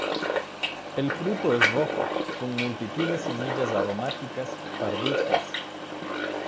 El fruto es rojo, con multitud de semillas aromáticas parduzcas.